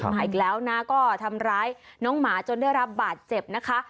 มาอีกแล้วนะก็ทำร้ายน้องหมาจนได้รับบาดเจ็บนะคะ